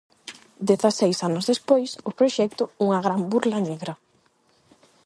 Dezaseis anos despois, o proxecto "Unha gran Burla Negra".